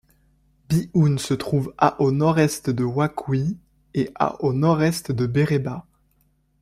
Bihoun se trouve à au nord-est de Ouakuy et à au nord-est de Béréba.